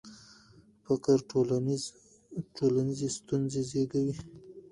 فقر ټولنیزې ستونزې زیږوي.